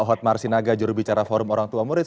hot marsinaga jurubicara forum orang tua murid